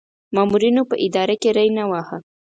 مامورینو په اداره کې ری نه واهه.